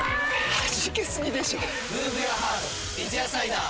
はじけすぎでしょ『三ツ矢サイダー』